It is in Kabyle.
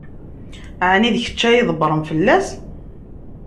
Ɛni d kečč ara ydebbṛen fell-as?